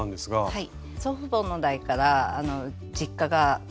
はい。